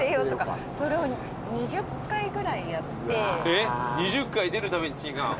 えっ２０回出るたびに「違う」